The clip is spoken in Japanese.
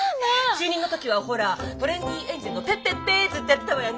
中２の時はほらトレンディエンジェルの「ぺっぺっぺー」ずっとやってたわよね。